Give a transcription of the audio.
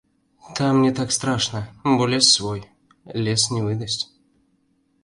Там не так страшна, бо лес свой, лес не выдасць.